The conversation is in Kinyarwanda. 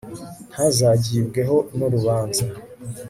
ntazagibweho n'urubanza